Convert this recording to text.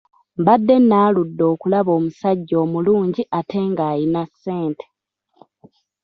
Mbadde naaludde okulaba omusajja omulungi ate ng'ayina ssente.